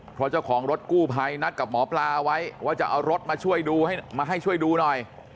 เพราะเจ้าของรถกู้ภัยนัดกับหมอปลาไว้ว่าจะเอารถมาช่วยดูให้มาให้ช่วยดูหน่อย